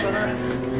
siapa dia mbak